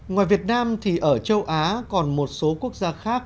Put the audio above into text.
ngoài việt nam thì ở châu á còn một số quốc gia khác